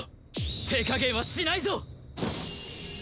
手加減はしないぞ！